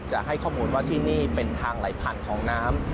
จะให้ข้อมูลว่าที่นี่เป็นทางไหลผ่านของน้ำ